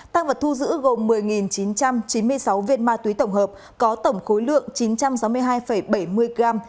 tăng vật thu giữ gồm một mươi chín trăm chín mươi sáu viên ma túy tổng hợp có tổng khối lượng chín trăm sáu mươi hai bảy mươi gram